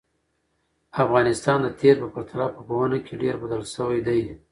افغانستان د تېر په پرتله په پوهنه کې ډېر بدل شوی دی.